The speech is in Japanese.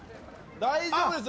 大丈夫ですよ。